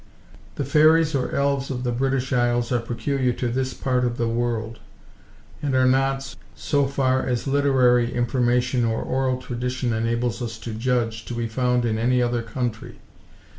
The fairies or elves of the British isles are peculiar to this part of the world, and are not, so far as literary information or oral tradition enables us to judge, to be found in any other country.